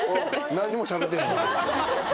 何にもしゃべってへん。